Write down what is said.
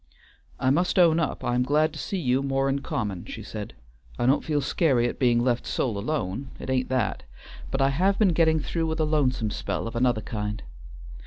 "I must own up, I am glad to see you more'n common," she said. "I don't feel scary at being left sole alone; it ain't that, but I have been getting through with a lonesome spell of another kind.